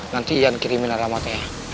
nanti ian kirimin alamatnya